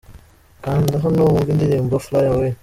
Kanda hano wumve indirimbo Fly Away.